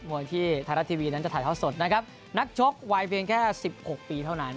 วยที่ไทยรัฐทีวีนั้นจะถ่ายท่อสดนะครับนักชกวัยเพียงแค่สิบหกปีเท่านั้น